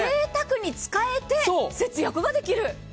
ぜいたくに使えて節約ができる。